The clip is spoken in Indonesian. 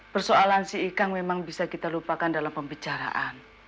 persoalan si ikang memang bisa kita lupakan dalam pembicaraan